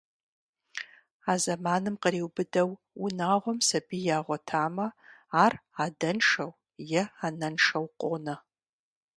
А зэманым къриубыдэу унагъуэм сабий ягъуэтамэ, ар адэншэу е анэншэу къонэ.